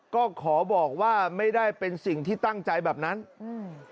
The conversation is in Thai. ก็ขอบอกว่าไม่ได้เป็นสิ่งที่ตั้งใจแบบนั้นอืม